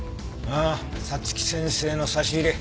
ああ早月先生の差し入れ。